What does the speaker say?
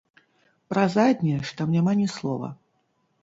Пра заднія ж там няма ні слова.